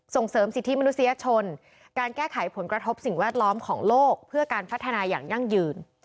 ส่งเสริมสิทธิมนุษยชนการแก้ไขผลกระทบสิ่งแวดล้อมของโลกเพื่อการพัฒนาอย่างยั่งยืน